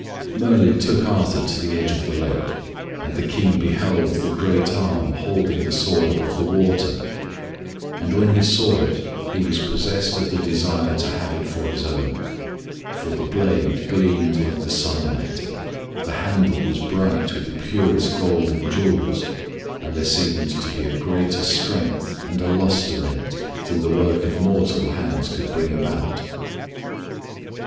Merlin took Arthur to the edge of the lake, and the King beheld the great arm holding the sword above the water; and when he saw it he was possessed of the desire to have it for his own, for the blade gleamed like the sunlight, the handle was bright with the purest gold and jewels, and there seemed to be a greater strength and a luster in it than the work of mortal hands could bring about.